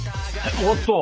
おおっと！